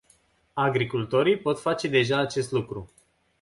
Agricultorii pot face deja acest lucru.